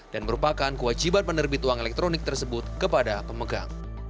dan merupakan kewajiban penerbit uang elektronik tersebut kepada pemegang